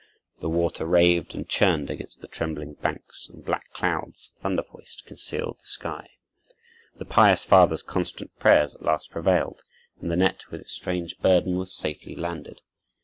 The water raved and churned against the trembling banks, and black clouds, thunder voiced, concealed the sky. The pious father's constant prayers at last prevailed, and the net, with its strange burden, was safely landed.